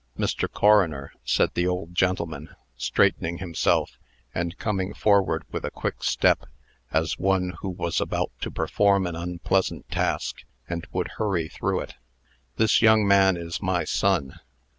"Mr. Coroner," said the old gentleman, straightening himself, and coming forward with a quick step, as one who was about to perform an unpleasant task, and would hurry through it, "this young man is my son.